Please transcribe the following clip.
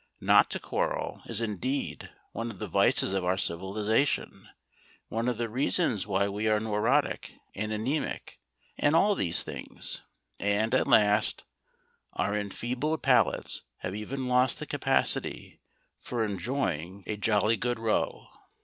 Not to quarrel is indeed one of the vices of our civilisation, one of the reasons why we are neurotic and anæmic, and all these things. And, at last, our enfeebled palates have even lost the capacity for enjoying a "jolly good row."